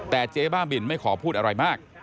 แต่เจ๊บ้าบินไม่ขอพูดอะไรมาก